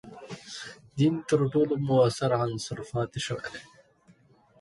دین تر ټولو موثر عنصر پاتې شوی دی.